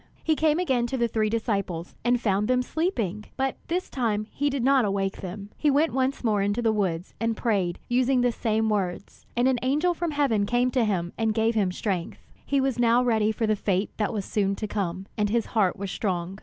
He came again to the three disciples, and found them sleeping; but this time he did not awake them. He went once more into the woods, and prayed, using the same words. And an angel from heaven came to him and gave him strength. He was now ready for the fate that was soon to come, and his heart was strong.